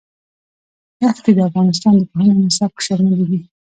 دښتې د افغانستان د پوهنې نصاب کې شامل دي.